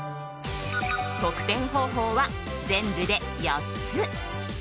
得点方法は全部で４つ。